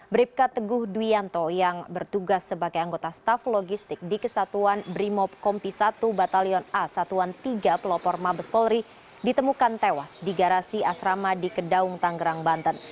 bribka teguh duyanto yang bertugas sebagai anggota staf logistik di kesatuan brimob kompi satu batalion a satuan tiga pelopor mabes polri ditemukan tewas di garasi asrama di kedaung tanggerang banten